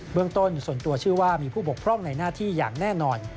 เมืองต้นส่วนตัวเชื่อว่ามีผู้บกพร่องในหน้าที่อย่างแน่นอน